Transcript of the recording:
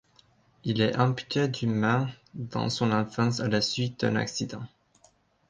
Il est amputé d'une main dans son enfance à la suite d'un accident.